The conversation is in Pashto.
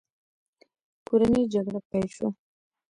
کورنۍ جګړه پیل شوه.